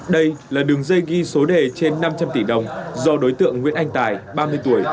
đây là đường dây ghi số đề trên năm trăm linh tỷ đồng do đối tượng nguyễn anh tài ba mươi tuổi